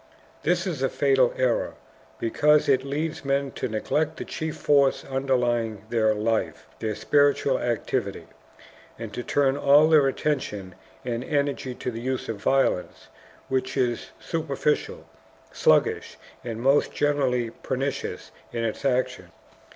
This is a fatal error, because it leads men to neglect the chief force underlying their life their spiritual activity and to turn all their attention and energy to the use of violence, which is superficial, sluggish, and most generally pernicious in its action.